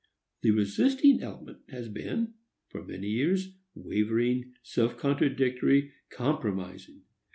The resisting element has been, for many years, wavering, self contradictory, compromising.